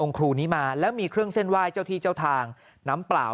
ครูนี้มาแล้วมีเครื่องเส้นไหว้เจ้าที่เจ้าทางน้ำเปล่า